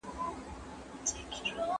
زه به سبا د يادښتونه بشپړ وکړم!!